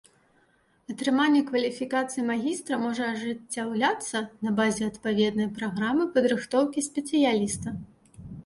Атрыманне кваліфікацыі магістра можа ажыццяўляцца на базе адпаведнай праграмы падрыхтоўкі спецыяліста.